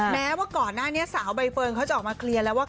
แม้ว่าก่อนหน้านี้สาวใบเฟิร์นเขาจะออกมาเคลียร์แล้วว่า